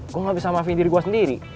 gua gak bisa maafin diri gua sendiri